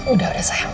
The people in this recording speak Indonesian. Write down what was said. udah udah sayang